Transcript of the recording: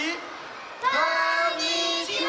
こんにちは！